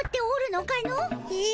え？